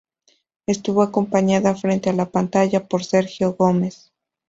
Estuvo acompañada frente a la pantalla por Sergio Gómez.